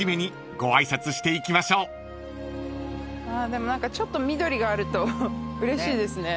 でも何かちょっと緑があるとうれしいですね。